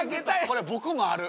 これ僕もある。